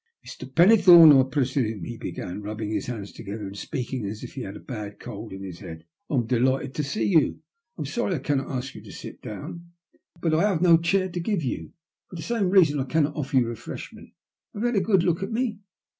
" Mr. Pennethome, I presume," he began, rubbing his hands together and speaking as if he had a bad cold in his head. *' I am delighted to see you. I am sorry that I cannot ask you to sit down, but I have no A GRUESOME TALE. 86 chair to give you. For the same reason I cannot offer you refreshment. Have you had a good look at me?"